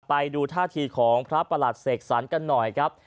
ไปดูท่าทีของพระประหลัดเสกสรรกันหน่อยครับ